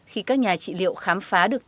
khi các nhà trị liệu khám phá được nọc ong